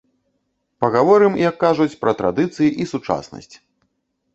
Пагаворым, як кажуць, пра традыцыі і сучаснасць!